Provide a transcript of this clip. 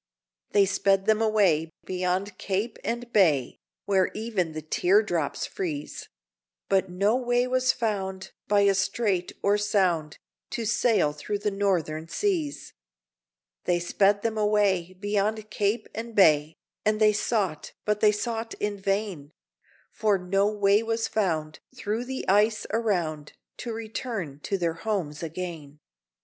They sped them away, beyond cape and bay, Where even the tear drops freeze, But no way was found, by a strait or sound, To sail through the Northern seas; They sped them away, beyond cape and bay, And they sought, but they sought in vain, For no way was found, through the ice around, To return to their homes again.